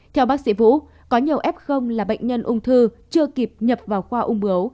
theo bác sĩ vũ có nhiều f là bệnh nhân ung thư chưa kịp nhập vào khoa ung bướu